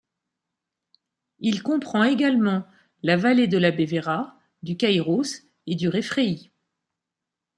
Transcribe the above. Il comprend également la vallée de la Bévéra, du Caïros et du Réfréi.